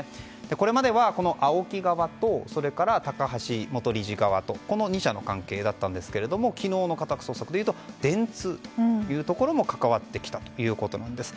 これまではＡＯＫＩ側とそれから高橋元理事側と２者の関係だったんですが昨日の家宅捜索だと電通というところも関わってきたということです。